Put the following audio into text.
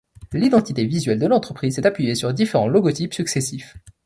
L'identité visuelle de l'entreprise s'est appuyée sur différents logotypes successifs.